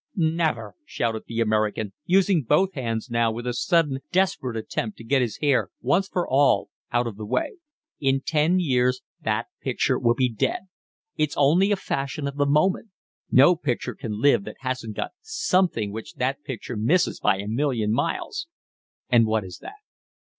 "Never," shouted the American, using both hands now with a sudden desperate attempt to get his hair once for all out of the way. "In ten years that picture will be dead. It's only a fashion of the moment. No picture can live that hasn't got something which that picture misses by a million miles." "And what is that?"